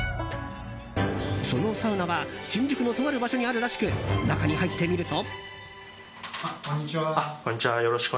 そのサウナは新宿のとある場所にあるらしく中に入ってみると。